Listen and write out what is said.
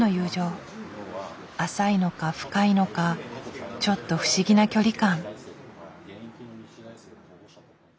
浅いのか深いのかちょっと不思議な距離感。